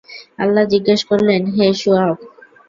আল্লাহ্ জিজ্ঞেস করলেন, হে শুআয়ব!